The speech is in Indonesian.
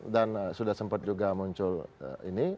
dan sudah sempat juga muncul ini